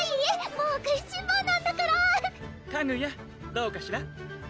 もう食いしん坊なんだからかぐやどうかしら？